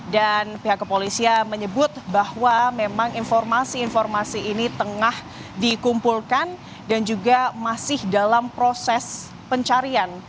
dari keterangan para pelaku yang lain